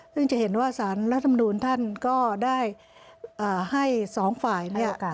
ซึ่งจะเห็นว่าศาลและธรรมดูลท่านก็ได้ให้สองฝ่าย